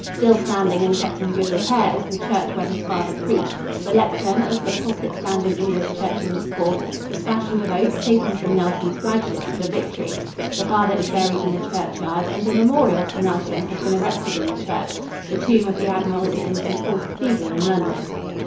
Still standing, and kept in good repair, is the church where his father preached. The lectern, as the pulpit stand in English churches is called, was fashioned of oak taken from Nelson's flagship, the Victory. The father is buried in the churchyard and a memorial to Nelson has been erected in the church. The tomb of the admiral is in St. Paul's Cathedral in London.